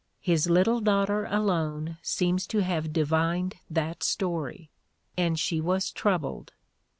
His little daughter alone seems to have divined that story, and she was troubled.